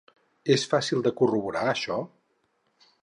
És fàcil de corroborar, això?